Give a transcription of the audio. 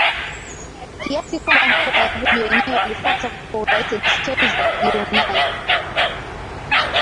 kiasi kwamba huko Wayahudi wenyewe walifuata kwa urahisi desturi za Kiyunani